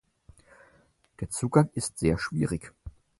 Der Zugang ist sehr schwierig.